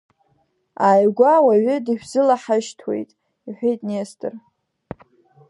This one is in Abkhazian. Ааигәа ауаҩы дышәзылаҳашьҭуеит, — иҳәеит Нестор.